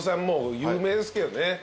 もう有名ですけどね。